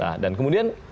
nah dan kemudian